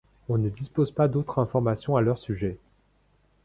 On ne dispose pas d'autres informations à leur sujet.